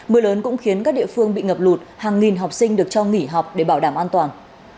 mưa lớn cũng khiến các địa phương bị ngập lụt hàng nghìn học sinh được cho nghỉ học để bảo đảm an toàn